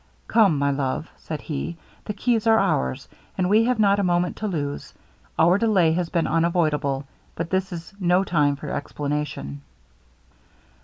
'Come, my love,' said he, 'the keys are ours, and we have not a moment to lose; our delay has been unavoidable; but this is no time for explanation.'